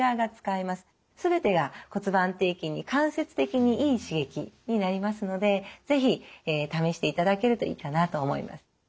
全てが骨盤底筋に間接的にいい刺激になりますので是非試していただけるといいかなと思います。